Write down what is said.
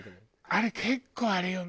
あれ結構あれよ？